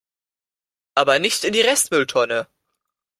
Aber nicht in die Restmülltonne!